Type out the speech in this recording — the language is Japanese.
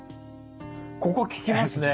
ここ効きますね。